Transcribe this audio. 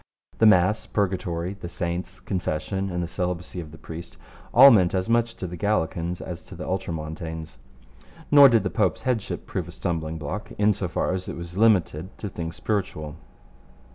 The Mass, Purgatory, the Saints, Confession, and the celibacy of the priest, all meant as much to the Gallican as to the Ultramontane. Nor did the Pope's headship prove a stumbling block in so far as it was limited to things spiritual.